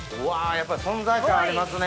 やっぱり存在感ありますね。